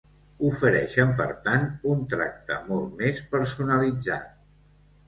Ofereixen, per tant, un tracte molt més personalitzat.